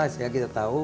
sehingga kita tahu